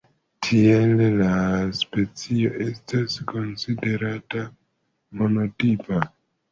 Tiele la specio estas konsiderata monotipa.